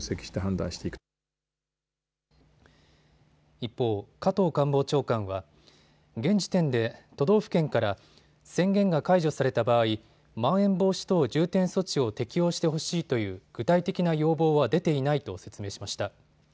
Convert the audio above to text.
一方、加藤官房長官は現時点で都道府県から宣言が解除された場合、まん延防止等重点措置を適用してほしいという具体的な要望は出ていないと説明しました。